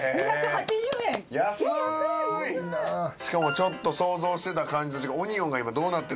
しかもちょっと想像してた感じと違う。